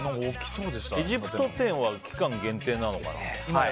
エジプト展は期間限定なのかな。